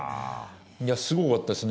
いや、すごかったですね。